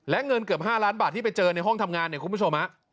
และเงินเกือบ๕ล้านบาทที่ไปเจอในห้องทำงานเนี่ยคุณผู้ชมฮะ